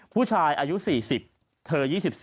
ผู้ชายอายุ๔๐เธอ๒๔